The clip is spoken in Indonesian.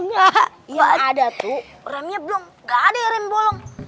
enggak ada remnya bolong